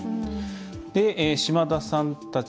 島田さんたち